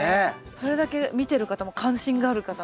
それだけ見てる方も関心がある方が。